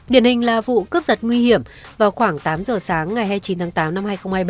điển hình là vụ cướp giật nguy hiểm vào khoảng tám giờ sáng ngày hai mươi chín tháng tám năm hai nghìn hai mươi ba